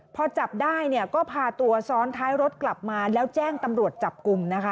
พอจับได้เนี่ยก็พาตัวซ้อนท้ายรถกลับมาแล้วแจ้งตำรวจจับกลุ่มนะคะ